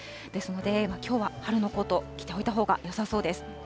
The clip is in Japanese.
ですので、きょうは春のコート、着ておいたほうがよさそうです。